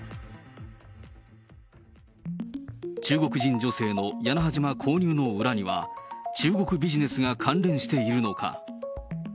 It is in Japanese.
中国人女性の屋那覇島購入の裏には、中国ビジネスが関連しているのか。